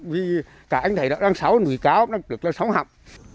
vì cả anh thầy đó đang sáu người cáo được sống học